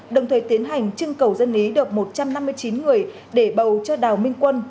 đồng thời tiến hành trưng cầu dân ý được một trăm năm mươi chín người để bầu cho đào minh quân